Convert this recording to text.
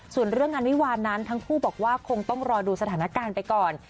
ส่วนเรื่องงานวิวาลนั้นทั้งคู่บอกว่าคงต้องรอดูสถานการณ์ไปก่อน